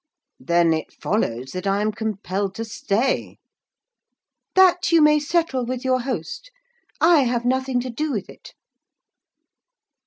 "Then, it follows that I am compelled to stay." "That you may settle with your host. I have nothing to do with it."